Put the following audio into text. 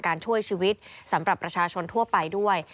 ช่วยชีวิตสำหรับประชาชนทั่วไปด้วย